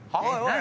何？